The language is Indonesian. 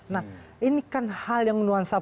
nah ini kan hal yang nuansa